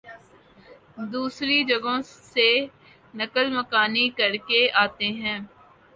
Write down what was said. دوسری جگہوں سے نقل مکانی کرکے آتے ہیں